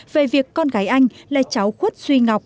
về việc con gái anh lê cháu khuất duy ngọc